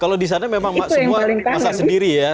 kalau di sana memang semua masak sendiri ya